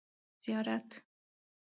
زیارت